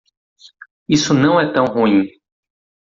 Isso não é tão ruim.